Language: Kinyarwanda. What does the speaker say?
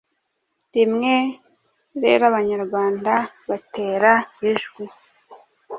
rimwe rero Abanyarwanda batera Ijwi